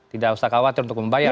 tidak usah khawatir untuk membayar